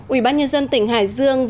ủy ban nhân dân tỉnh hải dương